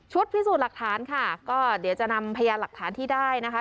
พิสูจน์หลักฐานค่ะก็เดี๋ยวจะนำพยานหลักฐานที่ได้นะคะ